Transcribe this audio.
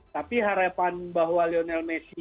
tapi harapan bahwa lionel messi